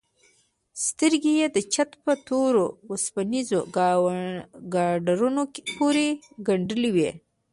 سترگې يې د چت په تورو وسپنيزو ګاډرونو پورې گنډلې وې.